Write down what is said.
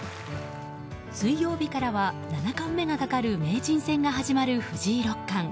水曜日からは七冠目がかかる名人戦が始まる藤井六冠。